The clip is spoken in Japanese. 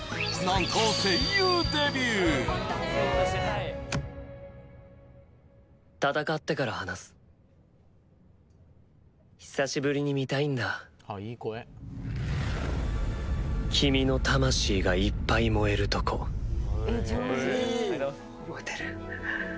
何と戦ってから話す久しぶりに見たいんだ君の魂がいっぱい燃えるとこ覚えてる？